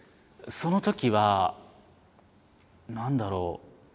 そのときは何だろう？